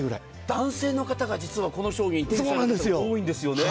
男性の方が実はこの商品を手にされる方多いんですよね。